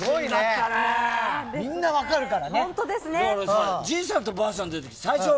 みんな分かるからね。